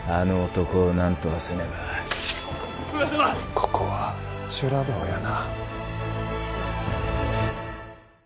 ここは修羅道やな。